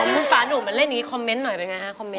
คุณป่าหนูมาเล่นอย่างนี้คอมเมนต์หน่อยเป็นไงฮะคอมเมน